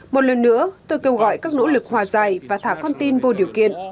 một lần nữa tôi kêu gọi các nỗ lực hòa giải và thả con tin vô điều kiện